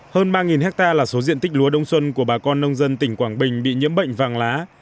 hơn ba hectare là số diện tích lúa đông xuân của bà con nông dân tỉnh quảng bình bị nhiễm bệnh vàng lá